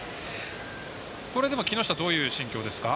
これ、でも木下どういう心境ですか。